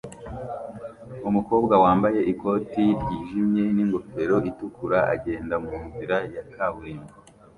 Umukobwa wambaye ikote ryijimye n'ingofero itukura agenda munzira ya kaburimbo